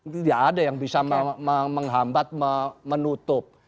tidak ada yang bisa menghambat menutup